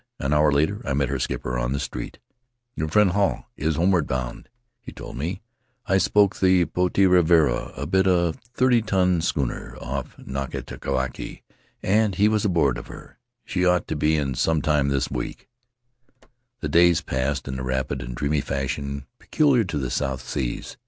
An hour later I met her skipper on the street. "Your friend Hall is homeward bound," he told aae. "I spoke the Potii Ravarava, a bit of a thirty Faery Lands of the South Seas ton native schooner, off Nukatavake, and he was aboard of her — she ought to be in some time this week." The days passed in the rapid and dreamy fashion peculiar to the South Seas.